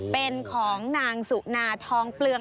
เป็นของนางสุนาทองเปลือง